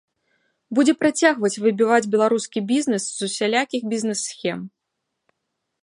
Будзе працягваць выбіваць беларускі бізнэс з усялякіх бізнэс-схем.